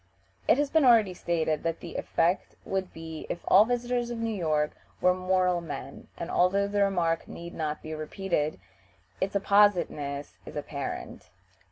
It has been already stated what the effect would be if all visitors to New York were moral men, and, although the remark need not be repeated, its appositeness is apparent.